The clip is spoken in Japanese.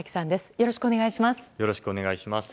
よろしくお願いします。